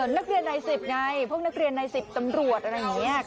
นักเรียนใน๑๐ไงพวกนักเรียนใน๑๐ตำรวจอะไรอย่างนี้